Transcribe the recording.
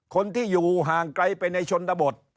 คนที่อยู่ห่างไกลไปในชนบท